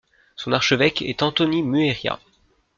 Son archevêque est Anthony Muheria.